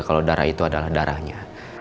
kalau darah itu adalah darahnya